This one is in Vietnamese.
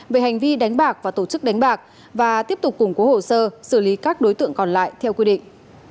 về hành vi đánh bạc và tổ chức đánh bạc và tiếp tục củng cố hồ sơ xử lý các đối tượng còn lại theo quy định